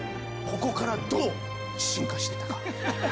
ここからどう進化していったか。